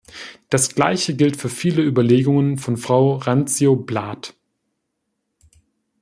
Das gleiche gilt für viele Überlegungen von Frau Randzio-Plath.